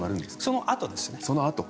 そのあとですね。